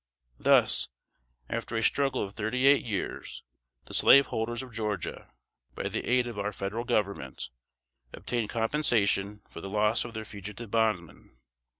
Thus, after a struggle of thirty eight years, the Slaveholders of Georgia, by the aid of our Federal Government, obtained compensation for the loss of their fugitive bondmen.